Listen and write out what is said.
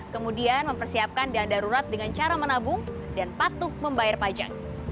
kemudian mempersiapkan dana darurat dengan cara menabung dan patuh membayar pajak